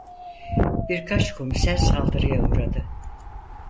Birkaç komiser saldırıya uğradı.